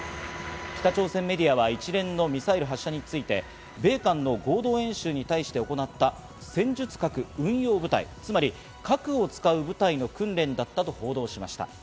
北朝鮮メディアは一連のミサイル発射について米韓の合同演習に対し行った戦術核運用部隊、つまり、核を使う部隊の訓練だったと報道しました。